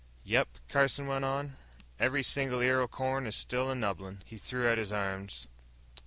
"Yep," Carson went on, "every single ear o' corn is still a nubbin." He threw out his arms.